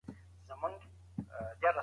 اسلامي اقتصاد د عدالت بیلګه ده.